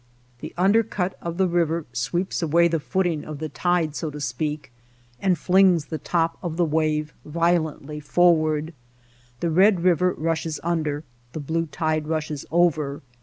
The undercut of the river sweeps away the footing of the tide, so to speak, and flings the top of the wave violently forward. The red river rushes under, the blue tide rushes over.